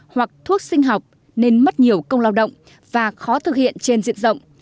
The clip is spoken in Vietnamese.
hoặc thuốc sinh học nên mất nhiều công lao động và khó thực hiện trên diện rộng